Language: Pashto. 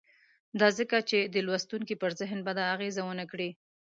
دا ځکه چې د لوستونکي پر ذهن بده اغېزه ونه کړي.